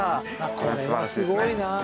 これはすごいな。